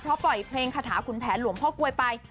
เพราะปล่อยเพลงคาถาขุนแผนหลวงพ่อกลวยไป